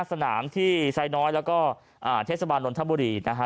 สนามที่ไซน้อยแล้วก็เทศบาลนนทบุรีนะฮะ